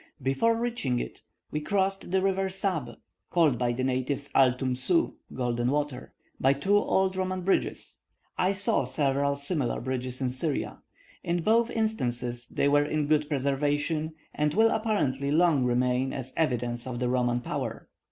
Before reaching it, we crossed the river Sab (called by the natives Altum Su, golden water), by two old Roman bridges. I saw several similar bridges in Syria. In both instances they were in good preservation, and will apparently long remain as evidences of the Roman power.